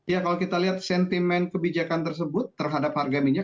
ya kalau kita lihat sentimen kebijakan tersebut terhadap harga minyak